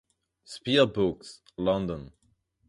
Sphere Books, London.